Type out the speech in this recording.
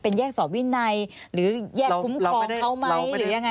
แยกสอบวินัยหรือแยกคุ้มครองเขาไหมหรือยังไง